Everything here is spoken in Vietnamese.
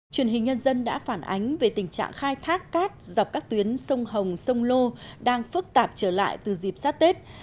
truyền hình nhân dân đã phản ánh về tình trạng khai thác cát dọc các tuyến sông hồng sông lô đang phức tạp trở lại từ dịp sát tết